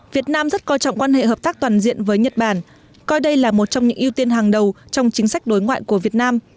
việt nam rất coi trọng quan hệ hợp tác toàn diện với nhật bản coi đây là một trong những ưu tiên hàng đầu trong chính sách đối ngoại của việt nam